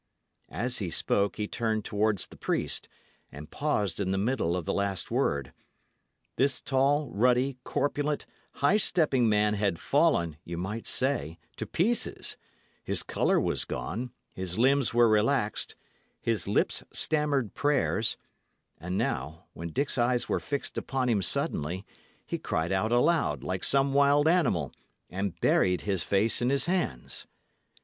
As he spoke, he turned towards the priest, and paused in the middle of the last word. This tall, ruddy, corpulent, high stepping man had fallen, you might say, to pieces; his colour was gone, his limbs were relaxed, his lips stammered prayers; and now, when Dick's eyes were fixed upon him suddenly, he cried out aloud, like some wild animal, and buried his face in his hands.